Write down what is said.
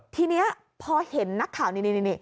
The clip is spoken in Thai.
ทีนี้พอเห็นนักข่าวนี่